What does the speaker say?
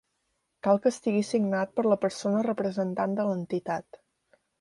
Cal que estigui signat per la persona representant de l'entitat.